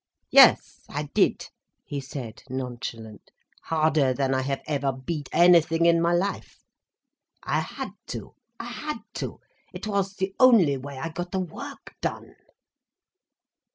"Yes, I did," he said, nonchalant, "harder than I have ever beat anything in my life. I had to, I had to. It was the only way I got the work done."